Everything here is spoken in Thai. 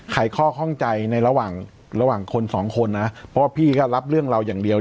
ไขข้อข้องใจในระหว่างระหว่างคนสองคนนะเพราะว่าพี่ก็รับเรื่องเราอย่างเดียว